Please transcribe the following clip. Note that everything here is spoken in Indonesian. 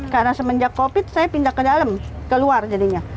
karena semenjak covid saya pindah ke dalam keluar jadinya